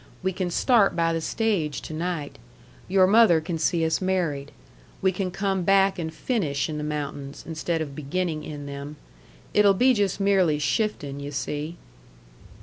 We can start by the stage to night. Your mother can see us married. We can come back and finish in the mountains instead of beginning in them. It'll be just merely shifting, yu' see."